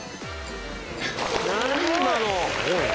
何今の。